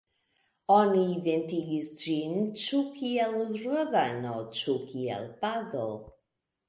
Oni identigis ĝin ĉu kiel Rodano, ĉu kiel Pado.